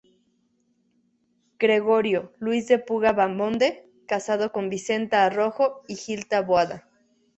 Gregorio Luis de Puga Vaamonde, casado Vicenta Arrojo y Gil-Taboada.